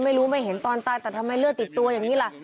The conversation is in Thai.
ไม่รู้ไม่เห็นตอนตายแต่ทำไมเลือดติดตัวอย่างนี้ล่ะ